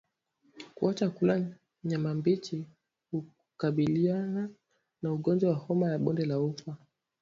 Kuacha kula nyama mbichi hukabiliana na ugonjwa wa homa ya bonde la ufa